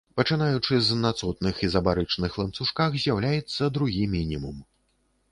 Пачынаючы з на цотных ізабарычных ланцужках з'яўляецца другі мінімум.